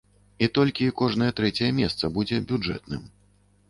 І толькі кожнае трэцяе месца будзе бюджэтным.